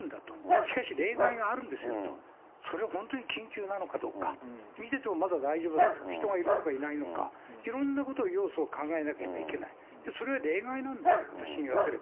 しかし例外があるんですよと、それを本当に緊急なのかどうか、見ててもまだ大丈夫だと、人がいるのかいないのか、いろんなことを、要素を考えなきゃいけない、それは例外なんですよ、私に言わせれば。